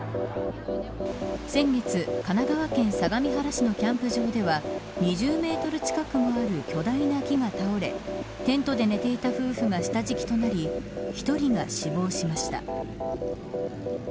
先月、神奈川県相模原市のキャンプ場では２０メートル近くもある巨大な木が倒れテントで寝ていた夫婦が下敷きとなり１人が死亡しました。